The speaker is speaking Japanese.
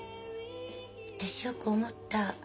私よく思った。